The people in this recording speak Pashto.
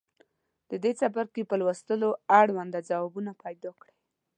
د دې څپرکي په لوستلو اړونده ځوابونه پیداکړئ.